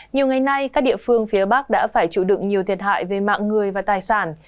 nhiều ngày nay các địa phương phía bắc đã phải chịu đựng nhiều thiệt hại về mạng người và tài sản